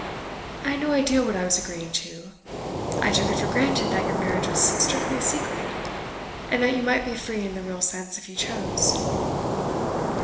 'I had no idea of what I was agreeing to. I took it for granted that your marriage was strictly a secret, and that you might be free in the real sense if you chose.